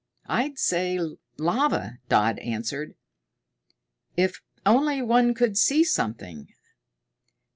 "I'd say lava," Dodd answered. "If only one could see something!